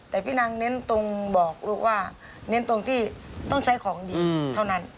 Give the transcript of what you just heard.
แต่พี่นางเน้นตรงบอกลูกว่าเน้นตรงที่ต้องใช้ของดีเท่านั้น